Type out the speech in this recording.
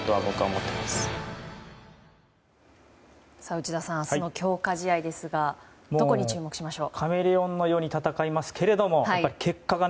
内田さん明日の強化試合ですがどこに注目しましょう？